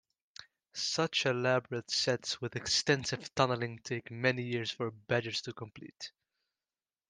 Such elaborate setts with extensive tunneling take many years for badgers to complete.